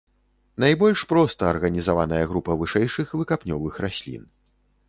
Найбольш проста арганізаваная група вышэйшых выкапнёвых раслін.